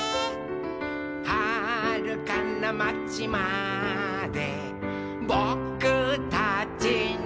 「はるかなまちまでぼくたちの」